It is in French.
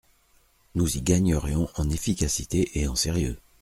Nous y gagnerions en efficacité et en sérieux.